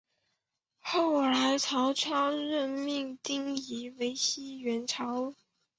后来曹操任命丁仪为西曹掾。